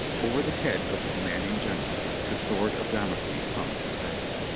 Over the head of the commanding general the sword of Damocles hung suspended.